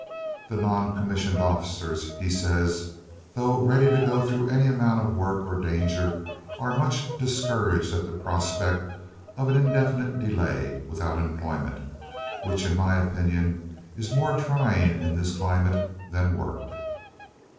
"The non commissioned officers," he says, "though ready to go through any amount of work or danger, are much discouraged at the prospect of an indefinite delay without employment, which, in my opinion, is more trying in this climate than work."